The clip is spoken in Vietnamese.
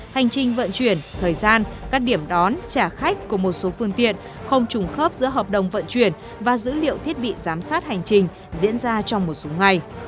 hành trình vận chuyển thời gian các điểm đón trả khách của một số phương tiện không trùng khớp giữa hợp đồng vận chuyển và dữ liệu thiết bị giám sát hành trình diễn ra trong một số ngày